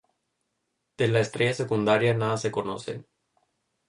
De la estrella secundaria nada se conoce.